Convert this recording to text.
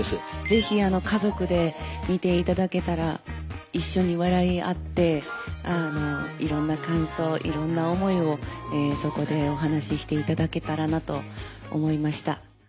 ぜひ家族で見ていただけたら一緒に笑い合っていろんな感想いろんな思いをそこでお話ししていただけたらなと思いました。